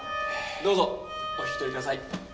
どうぞお引き取りください。